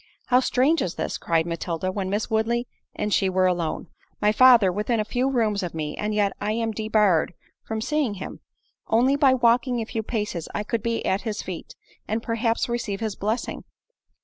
"How strange is this!" cried Matilda, when Miss Woodley and she were alone, "My father within a few rooms of me, and yet I am debarred from seeing him! Only by walking a few paces I could be at his feet, and perhaps receive his blessing!"